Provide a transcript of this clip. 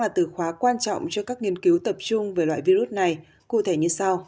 là từ khóa quan trọng cho các nghiên cứu tập trung về loại virus này cụ thể như sau